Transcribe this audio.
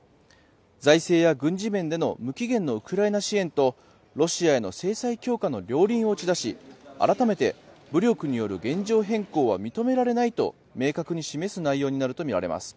財政や軍事面での無期限のウクライナ支援とロシアへの制裁強化の両輪を打ち出し、改めて武力による現状変更は認められないと明確に示す内容になるとみられます。